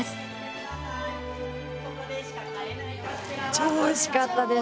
超おいしかったです